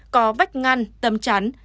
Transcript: có vách ngăn tấm chắn